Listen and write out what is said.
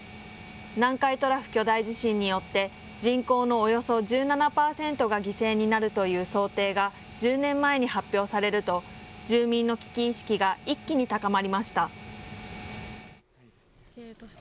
南海トラフ巨大地震によって、人口のおよそ１７％が犠牲になるという想定が１０年前に発表されると、住民の危機意識が一気に高まりました。